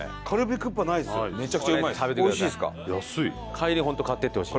帰りホント買っていってほしい。